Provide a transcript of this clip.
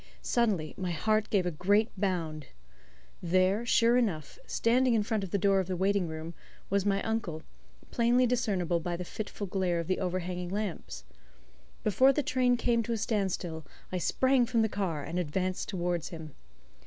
Suddenly my heart gave a great bound. There, sure enough, standing in front of the door of the waiting room, was my uncle, plainly discernible by the fitful glare of the overhanging lamps. Before the train came to a stand still, I sprang from the car and advanced towards him.